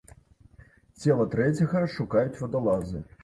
Цела трэцяга шукаюць вадалазы.